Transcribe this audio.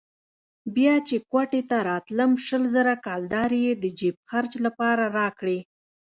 بيا چې کوټې ته راتلم شل زره کلدارې يې د جېب خرڅ لپاره راکړې.